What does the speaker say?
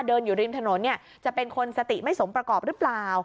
อยู่ริมถนนจะเป็นคนสติไม่สมประกอบหรือเปล่า